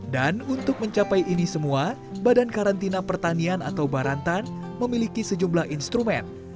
dan untuk mencapai ini semua badan karantina pertanian atau barantan memiliki sejumlah instrumen